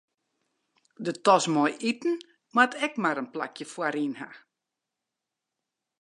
De tas mei iten moat ek mar in plakje foaryn ha.